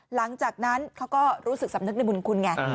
หลังจากนั้นเขาก็รู้สึกสำนึกในบุญคุณไง